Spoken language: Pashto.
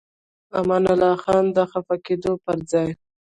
امان الله خان د خفه کېدو پر ځای.